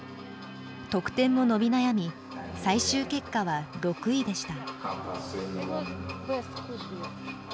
得点も伸び悩み最終結果は６位でした。